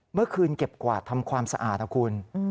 เมื่อคืนเก็บกวาดทำความสะอาดนะคุณ